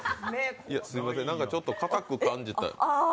すみません、ちょっと硬く感じた。